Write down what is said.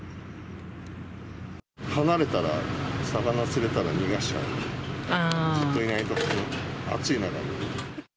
離れたら、魚釣れたら逃がしちゃうので、ずっといないと、この暑い中に。